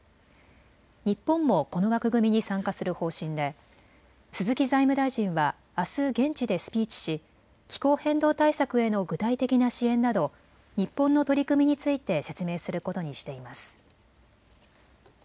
日本もこの枠組みに参加する方針で鈴木財務大臣はあす現地でスピーチし気候変動対策への具体的な支援など日本の取り組みについて説明することにしています。